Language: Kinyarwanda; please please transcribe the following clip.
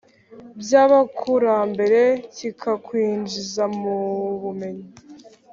by’abakurambere kikakwinjiza mu bumenyi,